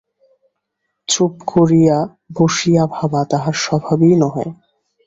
চুপ করিয়া বসিয়া ভাবা তাহার স্বভাবই নহে।